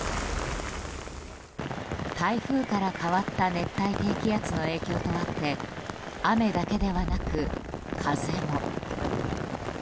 台風から変わった熱帯低気圧の影響とあって雨だけではなく風も。